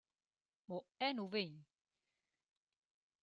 Mo eu nu vegn…!